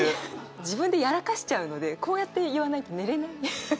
自分でやらかしちゃうのでこうやって言わないと寝れない。